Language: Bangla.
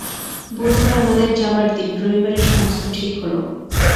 বুধবার আমাদের যাবার দিন, রবিবারে সমস্ত ঠিক হল।